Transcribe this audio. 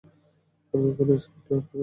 আমরা এখানে এসেছি লরেটার বইয়ের জন্য।